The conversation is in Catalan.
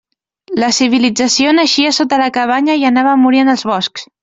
La civilització naixia sota la cabanya i anava a morir en els boscs.